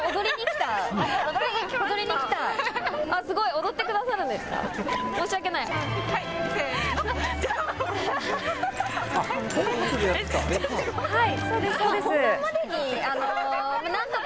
踊ってくださるんですか？